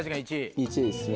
１位ですね。